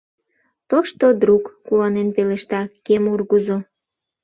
Тошто друг! — куанен пелешта кем ургызо.